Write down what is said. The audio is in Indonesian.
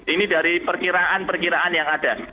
ini dari perkiraan perkiraan yang ada